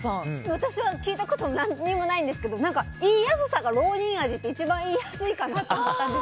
私は聞いたこと何もないんですけど何か、言いやすさがロウニンアジって一番言いやすいかなと思ったんです。